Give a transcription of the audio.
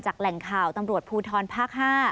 แหล่งข่าวตำรวจภูทรภาค๕